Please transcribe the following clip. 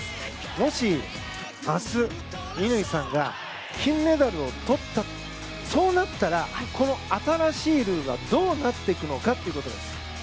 もし明日、乾さんが金メダルをとった、そうなったらこの新しいルールはどうなっていくのかということです。